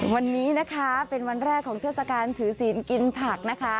วันนี้นะคะเป็นวันแรกของเทศกาลถือศีลกินผักนะคะ